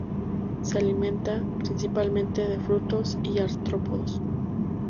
Se alimenta principalmente de frutos y artrópodos.